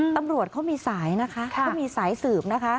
ตำรวจเขามีสายนะคะเขามีสายสืบนะคะ